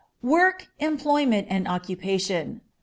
_Work, Employment, and Occupation.